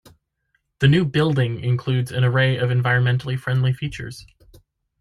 The new building includes an array of environmentally friendly features.